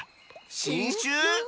しんしゅ？